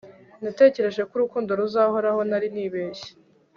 Natekereje ko urukundo ruzahoraho Nari nibeshye